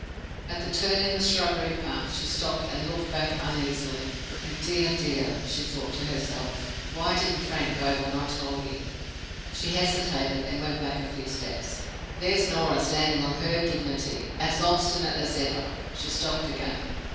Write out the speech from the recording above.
At the turn in the shrubbery path she stopped and looked back uneasily. "Oh, dear, dear!" she thought to herself, "why didn't Frank go when I told him?" She hesitated, and went back a few steps. "There's Norah standing on her dignity, as obstinate as ever." She stopped again.